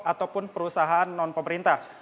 ataupun perusahaan non pemerintah